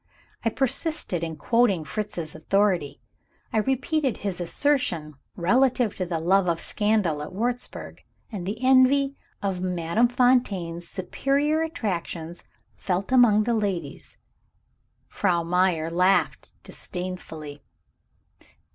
I persisted in quoting Fritz's authority; I repeated his assertion relative to the love of scandal at Wurzburg, and the envy of Madame Fontaine's superior attractions felt among the ladies. Frau Meyer laughed disdainfully.